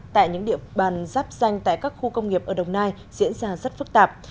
tại những địa bàn giáp danh tại các khu công nghiệp ở đồng nai diễn ra rất phức tạp